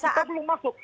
jadi kita belum masuk